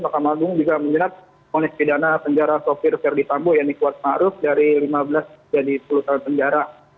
mahkamah agung juga menyenat ponis pidana penjara sopir ferdi sambo yang di kuatmaruf dari lima belas jadi sepuluh tahun penjara